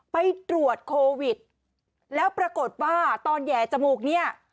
ไปตรวจโควิดแล้วปรากฏว่าตอนแห่จมูกเนี่ย